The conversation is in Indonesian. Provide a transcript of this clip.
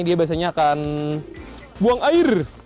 dia biasanya akan buang air